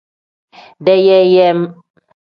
Deyeeyem.